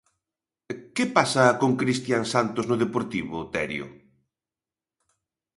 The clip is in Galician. Que pasa con Cristian Santos no Deportivo, Terio?